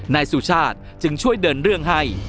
นายสุชาติจึงช่วยเดินเรื่องให้